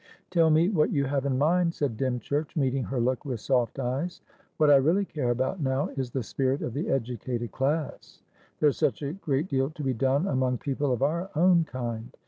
"Tell me what you have in mind," said Dymchurch, meeting her look with soft eyes. "What I really care about now is the spirit of the educated class. There's such a great deal to be done among people of our own kind.